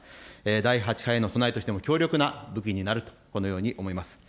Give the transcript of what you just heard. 第８波への備えとしても強力な武器になると、このように思います。